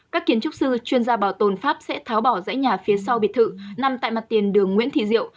các kiến trúc sư chuyên gia bảo tồn pháp sẽ tháo bỏ dãy nhà phía sau biệt thự nằm tại mặt tiền đường nguyễn thị diệu